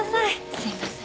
すいません。